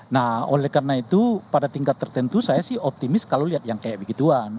nah oleh karena itu pada tingkat tertentu saya sih optimis kalau lihat yang kayak begituan